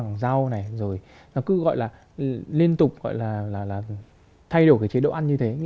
bằng rau này rồi nó cứ gọi là liên tục gọi là thay đổi cái chế độ ăn như thế